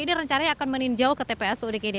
ini rencananya akan meninjau ke tps udeg ini